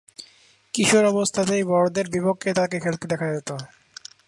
কিশোর অবস্থাতেই বড়দের বিপক্ষে তাকে খেলতে দেখা যেতো।